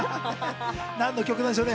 何の曲なんでしょうね。